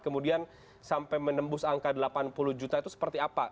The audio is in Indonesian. kemudian sampai menembus angka delapan puluh juta itu seperti apa